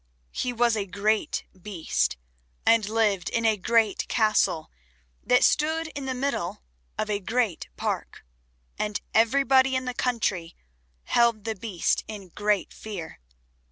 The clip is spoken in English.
He was a Great Beast, and lived in a Great Castle that stood in the middle of a Great Park, and everybody in the country held the Beast in great fear.